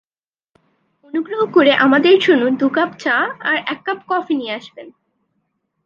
অনুগ্রহ করে আমাদের জন্য দু কাপ চা আর এক কাপ কফি নিয়ে আসবেন।